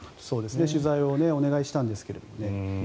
取材をお願いしたんですけどね。